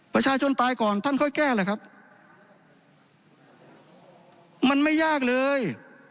ประชาชนตายก่อนท่านค่อยแก้แหละครับมันไม่ยากเลย